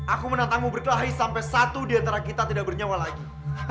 aku menantangmu berkelahi sampai satu di antara kita tidak bernyawa lagi